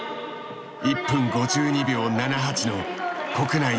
１分５２秒７８の国内最高記録。